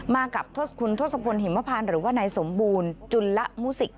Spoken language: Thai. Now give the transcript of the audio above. มากับคุณทศพลหิมพานหรือว่านายสมบูรณ์จุลมุสิก